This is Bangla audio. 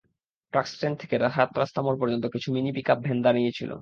ট্রাকস্ট্যান্ড থেকে সাত রাস্তা মোড় পর্যন্ত কিছু মিনি পিকআপ ভ্যান দাঁড়িয়ে ছিল।